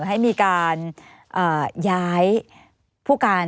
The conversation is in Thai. ให้มีการย้ายผู้การ